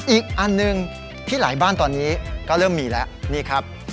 อีกอันหนึ่งที่หลายบ้านตอนนี้ก็เริ่มมีแล้วนี่ครับ